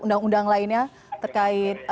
undang undang lainnya terkait